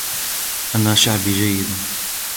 أنا شعبي جداً.